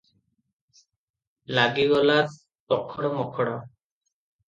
ଲାଗିଗଲା ତୋଖଡ଼ ମୋଖଡ଼ ।